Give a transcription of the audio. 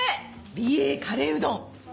美瑛カレーうどん。